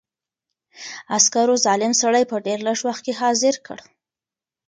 عسکرو ظالم سړی په ډېر لږ وخت کې حاضر کړ.